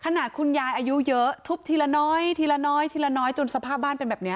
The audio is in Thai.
ขนาดคุณยายอายุเยอะทุบทีละน้อยทีละน้อยทีละน้อยจนสภาพบ้านเป็นแบบนี้